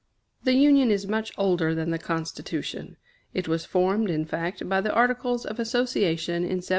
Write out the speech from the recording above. The Union is much older than the Constitution. It was formed, in fact, by the Articles of Association in 1774.